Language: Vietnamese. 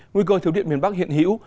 nguy cơ thiếu điện miền bắc hiện hữu